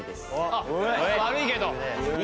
あっ悪いけど。